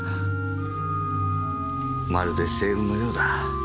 まるでセーヌのようだ。